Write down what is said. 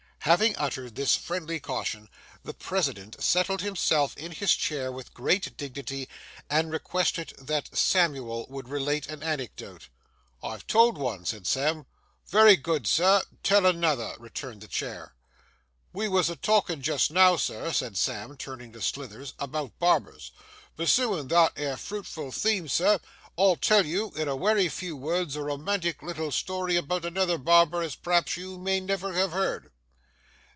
Having uttered this friendly caution, the President settled himself in his chair with great dignity, and requested that Mr. Samuel would relate an anecdote. 'I've told one,' said Sam. 'Wery good, sir; tell another,' returned the chair. 'We wos a talking jist now, sir,' said Sam, turning to Slithers, 'about barbers. Pursuing that 'ere fruitful theme, sir, I'll tell you in a wery few words a romantic little story about another barber as p'r'aps you may never have heerd.